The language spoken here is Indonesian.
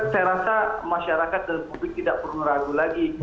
saya rasa masyarakat dan publik tidak perlu ragu lagi